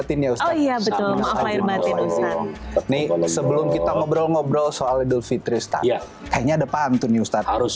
ini sebelum kita ngobrol ngobrol soal idul fitri ustadz kayaknya depan tuh ustadz harus